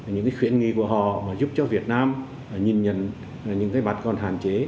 những cái khuyến nghị của họ giúp cho việt nam nhìn nhận những cái bát còn hạn chế